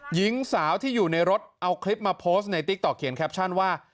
หญิงสาวที่อยู่ในรถเอาคลิปมาโพสต์ในติ๊กต๊เขียนแคปชั่นว่า